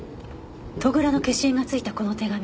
戸倉の消印がついたこの手紙。